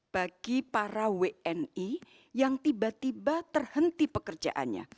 bagi para wni yang tiba tiba terhenti pekerjaannya